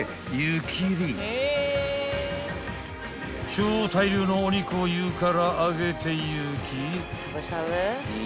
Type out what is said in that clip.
［超大量のお肉を湯からあげていき］